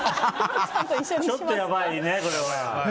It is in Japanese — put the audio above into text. ちょっとやばいね。